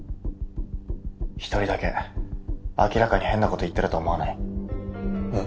一人だけ明らかに変なこと言ってると思わない？えっ？